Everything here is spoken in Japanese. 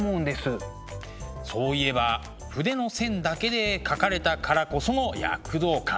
そういえば筆の線だけで描かれたからこその躍動感。